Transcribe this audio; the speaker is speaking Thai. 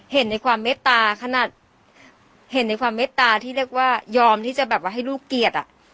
เห็นในความเมตตาขนาดเห็นในความเมตตาที่เรียกว่ายอมที่จะแบบว่าให้ลูกเกลียดอ่ะ